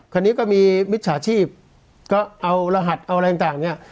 คราวนี้ก็มีมิจฉาชีพก็เอารหัสเอาอะไรต่างเนี่ย